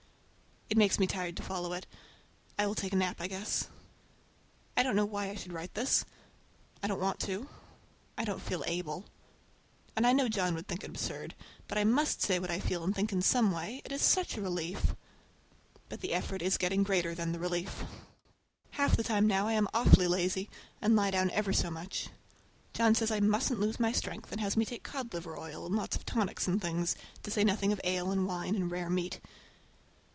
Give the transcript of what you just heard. It makes me tired to follow it. I will take a nap, I guess. I don't know why I should write this. I don't want to. I don't feel able. And I know John would think it absurd. But I must say what I feel and think in some way—it is such a relief! But the effort is getting to be greater than the relief. Half the time now I am awfully lazy, and lie down ever so much. John says I musn't lose my strength, and has me take cod liver oil and lots of tonics and things, to say nothing of ale and wine and rare meat.